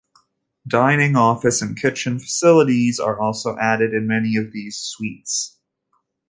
Dining, office and kitchen facilities are also added in many of these suites.